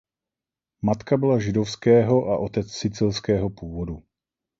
Matka byla židovského a otec sicilského původu.